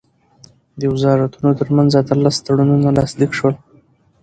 د وزارتونو ترمنځ اتلس تړونونه لاسلیک شول.